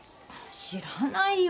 知らないよ。